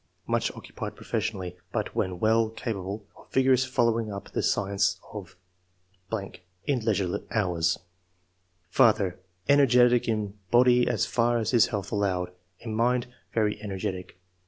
Much occupied professionally, but when well, capable of vigorously following up the science of .... in leisure hours. " Father — Energetic in body as far as his health allowed ; in mind, very energetic.